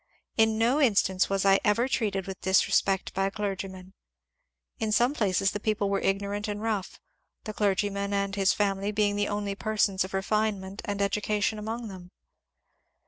In no in stance was I ever treated with disrespect by a clergyman. In some places the people were ignorant and rough, the clergy man and his family being the only persons of refinement and education among them.